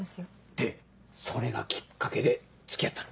でそれがきっかけで付き合ったの？